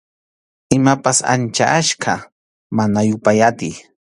Imapas ancha achka, mana yupay atiy.